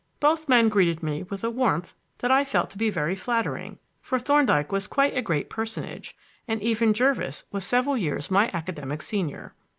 Both men greeted me with a warmth that I felt to be very flattering, for Thorndyke was quite a great personage, and even Jervis was several years my academic senior.